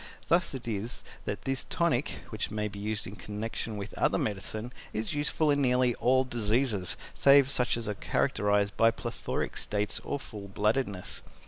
Thus it is that this tonic (which may be used in connection with other medicine) is useful in nearly all diseases, save such as are characterized by plethoric states, or full bloodedness.